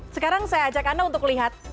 sekarang saya ajak anda untuk lihat